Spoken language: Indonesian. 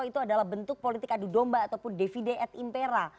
itu adalah bentuk politik adu domba ataupun devide et impera